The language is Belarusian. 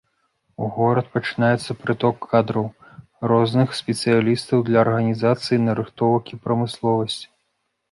У горад пачынаецца прыток кадраў, розных спецыялістаў для арганізацыі нарыхтовак і прамысловасці.